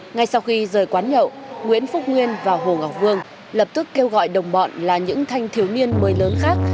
ngay sau khi rời quán nhậu nguyễn phúc nguyên và hồ ngọc vương lập tức kêu gọi đồng bọn là những thanh thiếu niên mới lớn khác